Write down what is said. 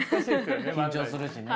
緊張するしね。